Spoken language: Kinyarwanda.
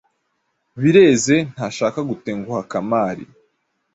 Bireze ntashaka gutenguha Kamali.